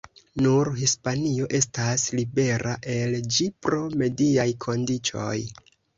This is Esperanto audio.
Nur Hispanio estas libera el ĝi pro mediaj kondiĉoj.